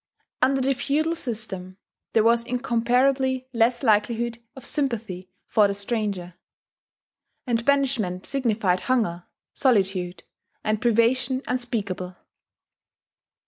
Under the feudal system there was incomparably less likelihood of sympathy for the stranger; and banishment signified hunger, solitude, and privation unspeakable.